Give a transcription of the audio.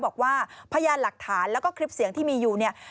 บอกว่าพยานหลักฐานแล้วก็คลิปเสียงที่มีอยู่เนี่ย